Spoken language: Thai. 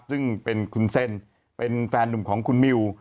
ซึ่งเป็นคุณเซนเป็นแฟนหนุ่มของคุณมิว